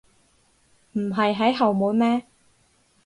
唔係喺後門咩？